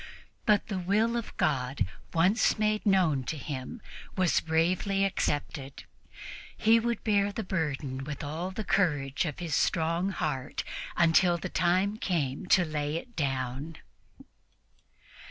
But the will of God, once made known to him, was accepted bravely. He would bear the burden with all the courage of his strong heart until the time came to lay it down.